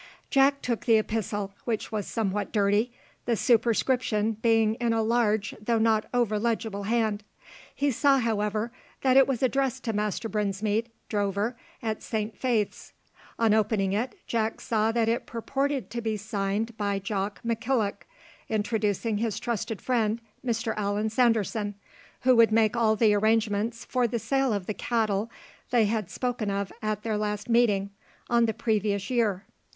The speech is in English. Jack took the epistle, which was somewhat dirty, the superscription being in a large though not over legible hand. He saw, however, that it was addressed to Master Brinsmead, drover, at Saint Faith's. On opening it, Jack saw that it purported to be signed by Jock McKillock, introducing his trusted friend Mr Allan Sanderson, who would make all the arrangements for the sale of the cattle they had spoken of at their meeting on the previous year.